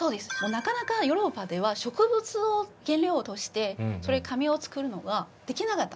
なかなかヨーロッパでは植物を原料としてそれで紙を作るのができなかった。